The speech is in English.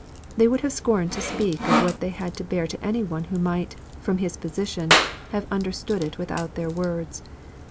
They would have scorned to speak of what they had to bear to any one who might, from his position, have understood it without their words.